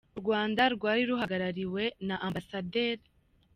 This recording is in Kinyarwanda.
U Rwanda rwari ruhagarariwe na Amb.